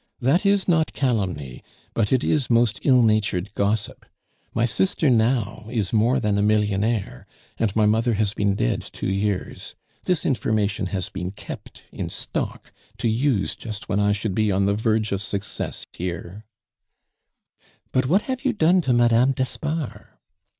"That is not calumny, but it is most ill natured gossip. My sister now is a more than millionaire, and my mother has been dead two years. This information has been kept in stock to use just when I should be on the verge of success here " "But what have you done to Madame d'Espard?"